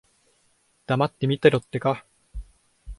黙って見てろってのか。